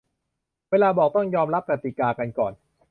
เวลาบอก ต้องยอมรับกติกากันก่อน